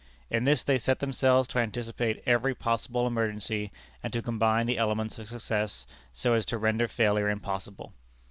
In this they set themselves to anticipate every possible emergency, and to combine the elements of success so as to render failure impossible.